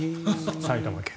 埼玉県。